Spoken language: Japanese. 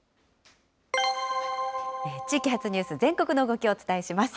地域発ニュース、全国の動きをお伝えします。